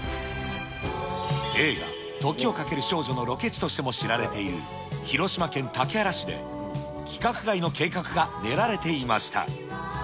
映画、時をかける少女のロケ地としても知られている、広島県竹原市で、規格外の計画が練られていました。